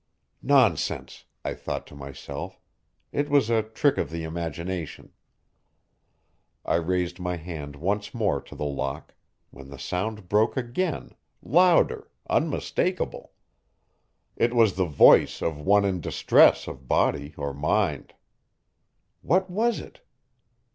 "Nonsense!" I thought to myself; "it was a trick of the imagination." I raised my hand once more to the lock, when the sound broke again, louder, unmistakable. It was the voice of one in distress of body or mind. What was it?